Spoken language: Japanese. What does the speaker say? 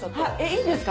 いいんですか？